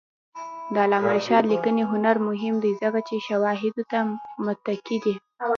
د علامه رشاد لیکنی هنر مهم دی ځکه چې شواهدو ته متکي دی.